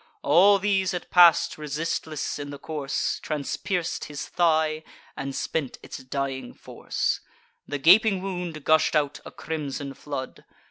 All these it pass'd, resistless in the course, Transpierc'd his thigh, and spent its dying force. The gaping wound gush'd out a crimson flood.